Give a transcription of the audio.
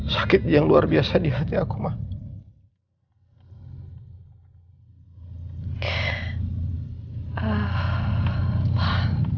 sakit yang luar biasa di hati aku mah